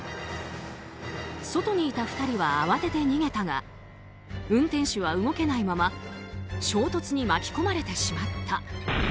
外にいた２人は慌てて逃げたが運転手は動けないまま衝突に巻き込まれてしまった。